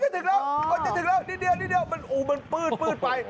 จะถึงแล้วนี่เดี๋ยวมันปื้นไป